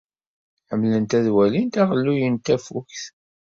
Ḥemmlent ad walint aɣelluy n tafukt.